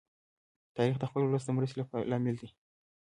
تاریخ د خپل ولس د مرستی لامل دی.